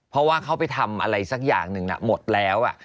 เพราะว่าเขาไปทำอะไรสักอย่างหนึ่งหมดแล้ว